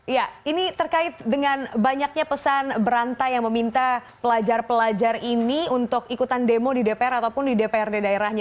ya ini terkait dengan banyaknya pesan berantai yang meminta pelajar pelajar ini untuk ikutan demo di dpr ataupun di dprd daerahnya